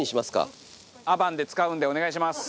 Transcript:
アバンで使うんでお願いします。